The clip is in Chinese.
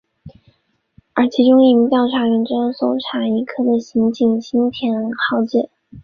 而其中一名调查员就是搜查一课的刑警新田浩介。